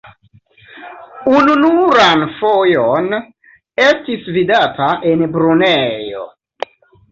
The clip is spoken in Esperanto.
Ununuran fojon estis vidata en Brunejo.